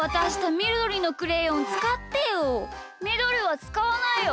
みどりはつかわないよ。